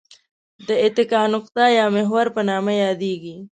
د اتکا نقطه یا محور په نامه یادیږي.